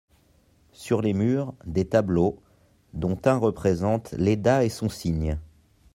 Sur les murs, des tableaux, dont un représente "Léda et son cygne".